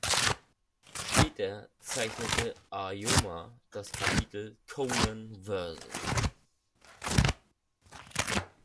Später zeichnete Aoyama das Kapitel "Conan vs.